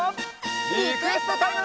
リクエストタイム！